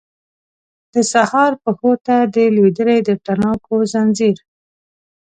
د سهار پښو ته دی لویدلی د تڼاکو ځنځیر